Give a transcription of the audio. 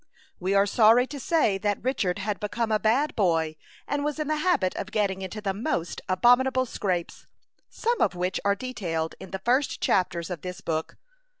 We are sorry to say that Richard had become a bad boy, and was in the habit of getting into the most abominable scrapes, some of which are detailed in the first chapters of this book.